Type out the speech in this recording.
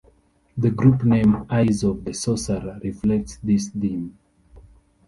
The group name, Eyes of the Sorcerer reflects this theme.